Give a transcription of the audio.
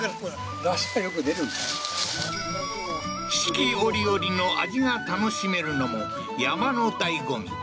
四季折々の味が楽しめるのも山のだいご味